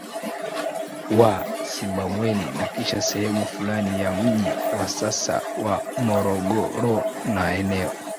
wa Simbamweni na kisha sehemu fulani ya mji wa sasa wa Morogoro na eneo